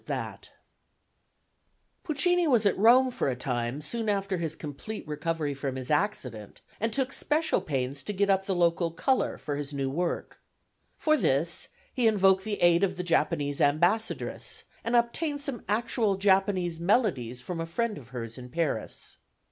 FIRST SKETCH FOR THE END OF THE FIRST ACT OF "MADAMA BUTTERFLY"] Puccini was at Rome for a time soon after his complete recovery from his accident, and took special pains to get up the local colour for his new work. For this he invoked the aid of the Japanese ambassadress, and obtained some actual Japanese melodies from a friend of hers in Paris.